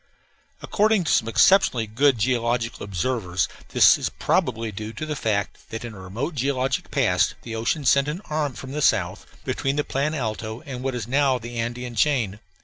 According to some exceptionally good geological observers, this is probably due to the fact that in a remote geologic past the ocean sent in an arm from the south, between the Plan Alto and what is now the Andean chain.